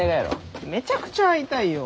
めちゃくちゃ会いたいよ！